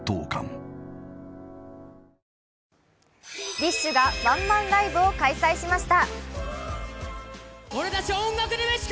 ＤＩＳＨ／／がワンマンライブを開催しました。